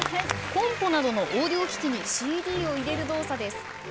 コンポなどのオーディオ機器にＣＤを入れる動作です。